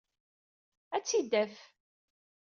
Ad tt-id-taf.